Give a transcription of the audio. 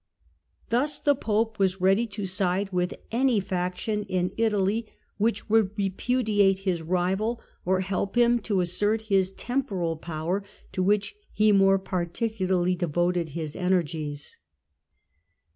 Thus the Pope was ready to side with any faction in Italy, which would repudiate his rival or help him to assert his temporal power, to which he more particularly de voted his energies.